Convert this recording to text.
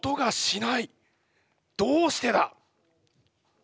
どうしてだ！？